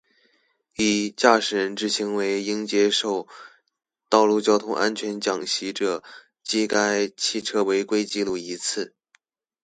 一、駕駛人之行為應接受道路交通安全講習者，記該汽車違規紀錄一次。